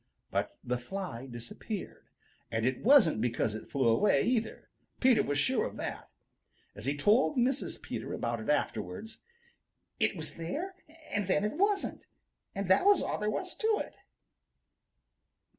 But the fly disappeared, and it wasn't because it flew away, either. Peter was sure of that. As he told Mrs. Peter about it afterwards, "It was there, and then it wasn't, and that was all there was to it."